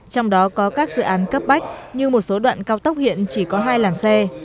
trong đó có các dự án cấp bách như một số đoạn cao tốc hiện chỉ có hai làng xe